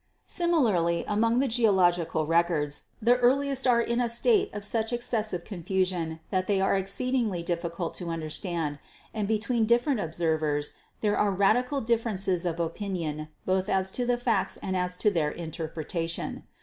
Similarly among the geological records the earli est are in a state of such excessive confusion that they are exceedingly difficult to understand, and between different observers there are radical differences of opinion both as to the facts and as to their interpretation.